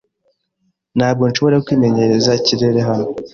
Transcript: Ntabwo nshobora kwimenyereza ikirere hano.